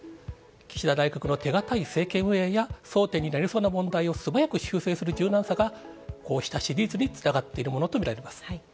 岸田内閣の手堅い政権運営や争点になりそうな問題を素早く修正する柔軟さが、こうした支持率につながっているものと見られます。